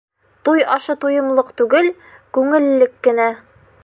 Туй ашы туйымлыҡ түгел, күңеллек кенә.